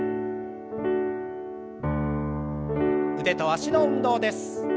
腕と脚の運動です。